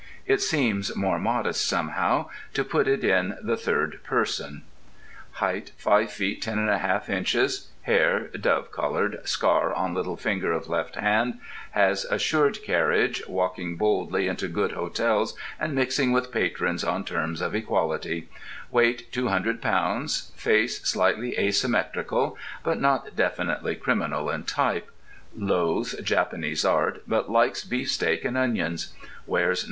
It seems more modest, somehow, to put it in the third person: Height, 5 feet 10½ inches; hair, dove coloured; scar on little finger of left hand; has assured carriage, walking boldly into good hotels and mixing with patrons on terms of equality; weight, 200 pounds; face slightly asymmetrical, but not definitely criminal in type; loathes Japanese art, but likes beefsteak and onions; wears No.